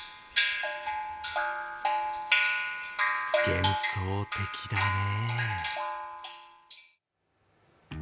幻想的だね。